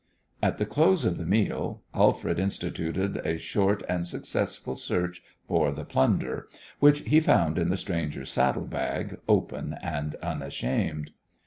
At the close of the meal, Alfred instituted a short and successful search for the plunder, which he found in the stranger's saddle bag, open and unashamed.